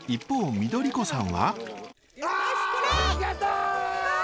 緑子さん